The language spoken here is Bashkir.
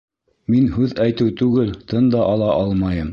Мин һүҙ әйтеү түгел, тын да ала алмайым!